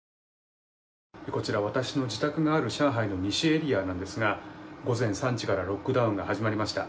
こちら私の自宅がある上海の西エリアなんですが午前３時からロックダウンが始まりました。